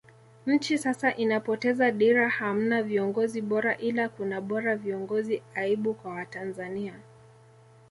Nchi sasa inapoteza dira hamna viongozi bora ila kuna bora viongozi aibu kwa Watanzania